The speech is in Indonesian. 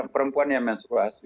perempuan yang mensuruh asli